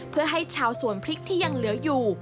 เพื่อให้ชาวสวนพริกที่ยังเหลืออยู่